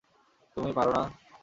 তুমি পারো না?